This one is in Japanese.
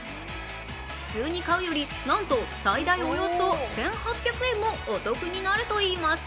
普通に買うより、なんと最大およそ１８００円もお得になるといいます。